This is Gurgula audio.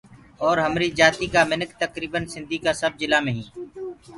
اور همريٚ جآتيٚ ڪآ مِنک تڪرٚڦن سنڌي ڪآ سب جِلآ مي هينٚ